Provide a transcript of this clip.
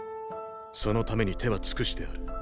そのために手は尽くしてある。